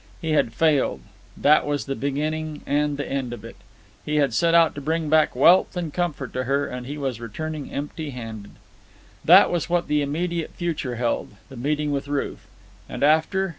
He had failed. That was the beginning and the end of it. He had set out to bring back wealth and comfort to her, and he was returning empty handed. That was what the immediate future held, the meeting with Ruth. And after?